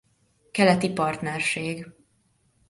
Keleti Partnerség